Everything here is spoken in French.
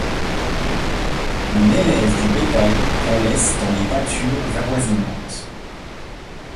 On élève du bétail qu'on laisse dans les pâtures avoisinantes.